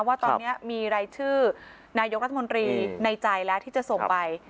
ว่าตอนนี้มีรายชื่อนายกรัฐมนตรีในใจแล้วที่จะส่งไป